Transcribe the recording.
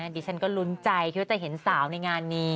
ดิฉันก็ลุ้นใจคิดว่าจะเห็นสาวในงานนี้